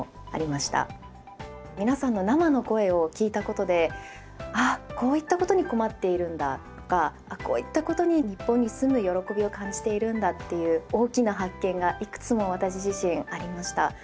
皆さんの生の声を聴いたことでああこういったことに困っているんだとかあこういったことに日本に住む喜びを感じているんだっていう大きな発見がいくつも私自身ありました。